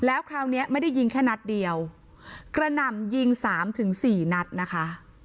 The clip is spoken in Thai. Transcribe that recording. แล้วคราวเนี้ยไม่ได้ยิงแค่นัดเดียวกระหน่ำยิงสามถึงสี่นัดนะคะ